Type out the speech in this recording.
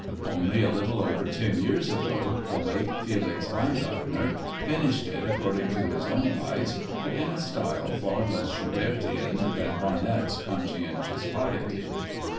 Only a little over ten years ago the late Felix Weingartner finished it according to his own lights but in a style far less Schubertian than Barnett's conscientious piety.